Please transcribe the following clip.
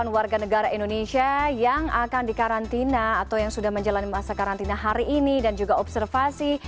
satu ratus delapan puluh delapan warga negara indonesia yang akan dikarantina atau yang sudah menjalani masa karantina hari ini dan juga observasi